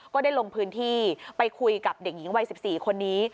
ก็ได้ลงพื้นที่ไปคุยกับเด็กหญิงวัย๑๔คนนี้